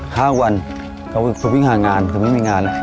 ห้าวันเขาไปหางานเขาไม่มีงาน